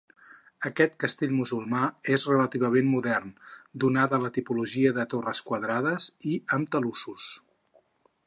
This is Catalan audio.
Aquest castell musulmà és relativament modern, donada la tipologia de torres quadrades i amb talussos.